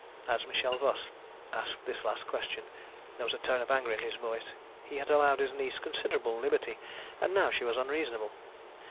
As Michel Voss asked this last question, there was a tone of anger in his voice. He had allowed his niece considerable liberty, and now she was unreasonable.